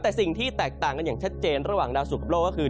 แต่สิ่งที่แตกต่างกันอย่างชัดเจนระหว่างดาวสุกกับโลกก็คือ